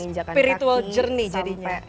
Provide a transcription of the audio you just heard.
oh iya ada spiritual journey jadinya